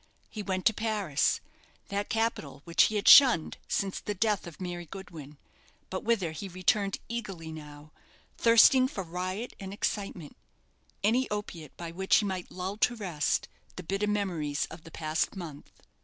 He went to Paris, that capital which he had shunned since the death of Mary Goodwin, but whither he returned eagerly now, thirsting for riot and excitement any opiate by which he might lull to rest the bitter memories of the past month.